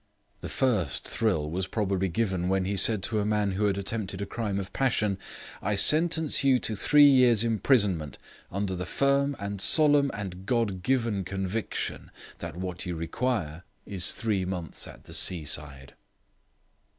The first thrill was probably given when he said to a man who had attempted a crime of passion: "I sentence you to three years imprisonment, under the firm, and solemn, and God given conviction, that what you require is three months at the seaside."